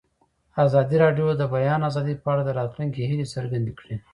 ازادي راډیو د د بیان آزادي په اړه د راتلونکي هیلې څرګندې کړې.